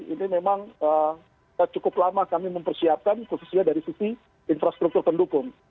ini memang cukup lama kami mempersiapkan khususnya dari sisi infrastruktur pendukung